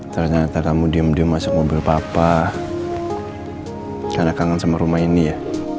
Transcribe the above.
ternyata kamu diam diam masuk mobil papa karena kangen sama rumah ini ya